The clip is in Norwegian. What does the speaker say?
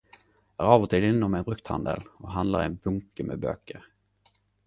Er av og til innom ein brukthandel og handler ein bunke med bøker.